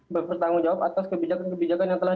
bertanggung jawab atas kebijakan kebijakan yang telah